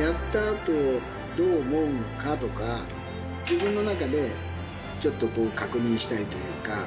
やったあと、どう思うのかとか、自分の中でちょっと確認したいというか。